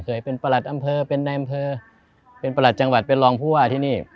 เคยเป็นประหลัดอำเภอเป็นนายอำเภอเป็นประหลัดจังหวัดเป็นรองผู้ว่าที่นี่